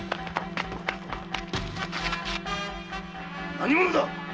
何者だ！